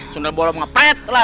sundballs ada pelitah lah